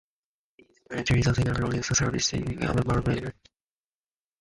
She is currently the second-longest serving cast member after original Ray Meagher.